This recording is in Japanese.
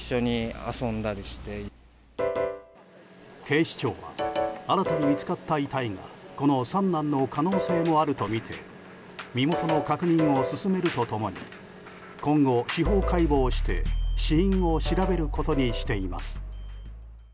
警視庁は新たに見つかった遺体がこの三男の可能性もあるとみて身元の確認を進めると共に今後、司法解剖して死因を調べることにしています。